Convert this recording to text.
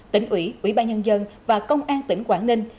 tỉnh ủy ủy ban nhân dân và công an tỉnh quảng ninh